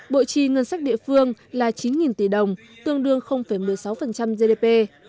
bộ chi ngân sách địa phương là chín tỷ đồng tương đương một mươi sáu gdp